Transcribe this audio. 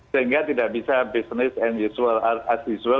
sehingga tidak bisa business as usual